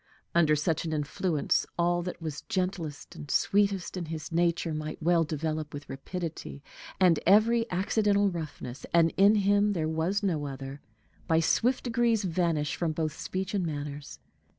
Under such an influence all that was gentlest and sweetest in his nature might well develop with rapidity, and every accidental roughness and in him there was no other by swift degrees vanish from both speech and manners.